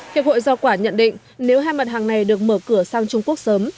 hiệp hội giao quả nhận định nếu hai mặt hàng này được mở cửa sang trung quốc sớm